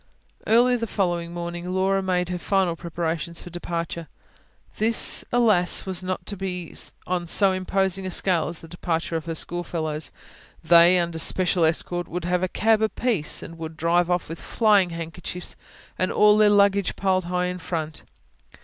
Early the following morning Laura made her final preparations for departure. This, alas! was not to be on so imposing a scale as the departures of her schoolfellows. They, under special escort, would have a cab apiece, and would drive off with flying handkerchiefs and all their luggage piled high in front.